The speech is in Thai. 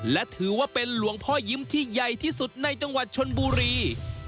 และถือว่าเป็นหลวงพ่อยิ้มที่ใหญ่ที่สุดในจังหวัดชนบุรี